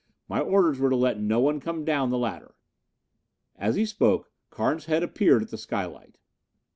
My orders were to let no one come down the ladder." As he spoke, Carnes' head appeared at the skylight.